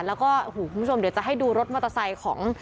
แล้วก็โอ้โหคุณผู้ชมเดี๋ยวจะให้ดูรถมอเตอร์ไซค์ของ